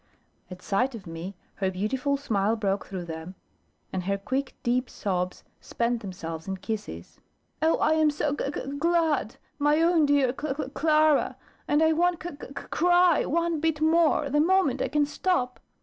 At sight of me, her beautiful smile broke through them, and her quick deep sobs spent themselves in kisses. "Oh, I am so gug gug glad, my own dear Cla Cla Clara; and I won't cuc cuc cry one bit more, the moment I can stop."